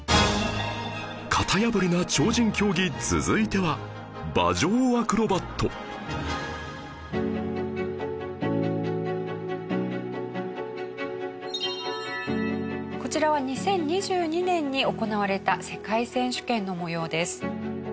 型破りな超人競技続いてはこちらは２０２２年に行われた世界選手権の模様です。